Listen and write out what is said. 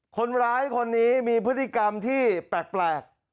คนร้ายคนนี้มีพฤติกรรมที่แปลก